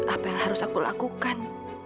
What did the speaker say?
apa yang harus aku lakukan